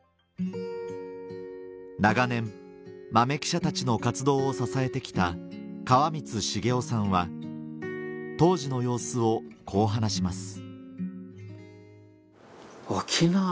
長年豆記者たちの活動を支えて来た当時の様子をこう話します